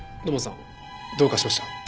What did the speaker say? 土門さんどうかしました？